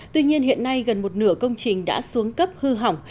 tuy nhiên hiện nay gần một nửa công trình đã xuống cấp hư hỏng